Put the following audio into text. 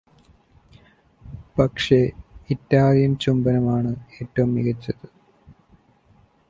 പക്ഷെ ഇറ്റാലിയൻ ചുംബനമാണ് ഏറ്റവും മികച്ചത്